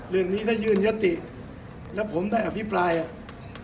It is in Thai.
เรื่องนี้ได้ยื่นยติแล้วผมได้อภิปรายอ่ะ